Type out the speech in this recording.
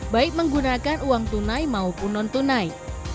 baik menggunakan uang tunai maupun non tunai